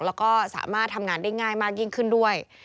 แล้วก็สามารถทำงานได้ง่ายมากยิ่งขึ้นด้วย